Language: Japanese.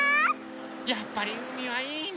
やっぱりうみはいいね。